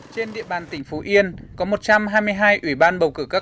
trên địa bàn tỉnh phú yên có một trăm hai mươi hai ủy ban